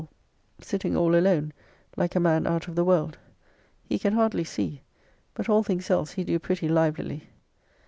] sitting all alone, like a man out of the world: he can hardly see; but all things else he do pretty livelyly.